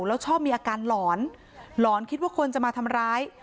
แล้วชอบมีอาการหลอนหลอนคิดว่าคนจะมาทำร้าย